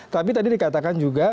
tapi tadi dikatakan juga